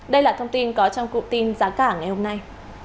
đây là thông tin có trong cụ tin giá cả ngày hôm nay